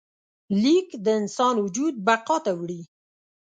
لیک د انسان وجود بقا ته وړي.